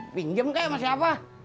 pinjam kaya sama siapa